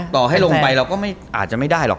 ต่อให้ลงไปเราก็อาจจะไม่ได้หรอก